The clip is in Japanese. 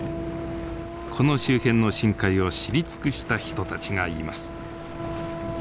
この周辺の深海を知り尽くした人たちがいます。